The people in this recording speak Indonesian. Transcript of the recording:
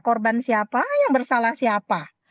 korban siapa yang bersalah siapa